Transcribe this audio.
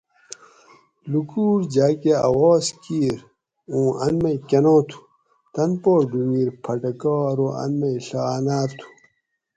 لوکوٹ جاۤ کہ آواز کیر اوں ان مئی کۤناں تُھو؟ تن پا ڈُھونگیر پھٹکا ارو ان مئی ڷہ انار تُھو